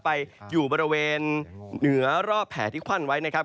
ไปอยู่บริเวณเหนือรอบแผลที่ควั่นไว้นะครับ